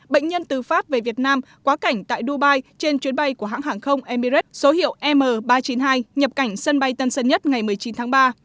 bệnh nhân từ pháp về việt nam quá cảnh tại dubai trên chuyến bay của hãng hàng không emirates số hiệu m ba trăm chín mươi hai nhập cảnh sân bay tân sân nhất ngày một mươi chín tháng ba